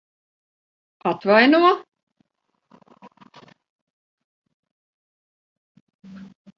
Atvaino?